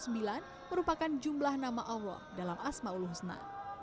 merupakan jumlah nama allah dalam asma'ul husna